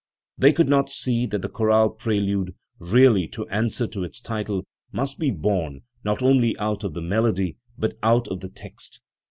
They could not see that the chorale prelude, really to answer to its title, must be born not only out of the melody but out of the text.